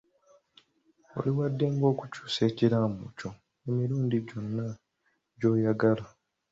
Oli waddembe okukyusa ekiraamo kyo emirundi gyonna gy'oyagala.